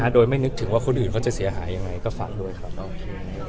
โดยไม่นึกถึงว่าคนอื่นเขาจะเสียหายยังไงก็ฝากด้วยครับโอเค